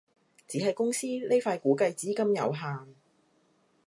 只係公司呢塊估計資金有限